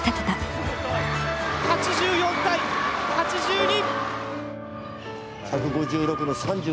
８４対８２！